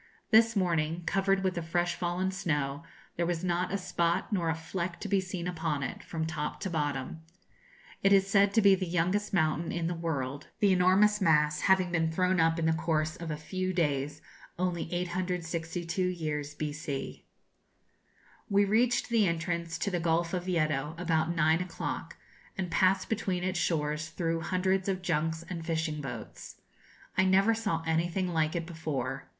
This morning covered with the fresh fallen snow, there was not a spot nor a fleck to be seen upon it, from top to bottom. It is said to be the youngest mountain in the world, the enormous mass having been thrown up in the course of a few days only 862 years B.C. We reached the entrance to the Gulf of Yeddo about nine o'clock, and passed between its shores through hundreds of junks and fishing boats. I never saw anything like it before.